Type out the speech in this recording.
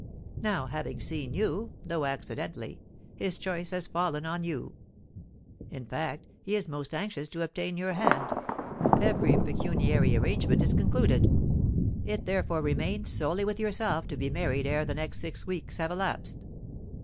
Now, having seen you, though accidentally, his choice has fallen on you. In fact, he is most anxious to obtain your hand. Every pecuniary arrangement is concluded. It therefore remains solely with yourself to be married ere the next six weeks have elapsed.